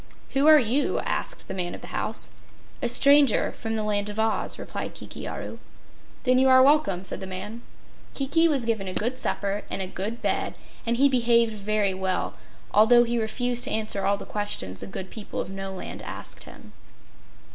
"Who are you?" asked the man of the house. "A stranger from the Land of Oz," replied Kiki Aru. "Then you are welcome," said the man. Kiki was given a good supper and a good bed, and he behaved very well, although he refused to answer all the questions the good people of Noland asked him.